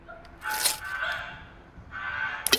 هوږه د بدن بوی خرابوي.